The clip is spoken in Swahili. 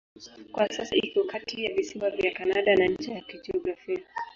Kwa sasa iko kati ya visiwa vya Kanada na ncha ya kijiografia.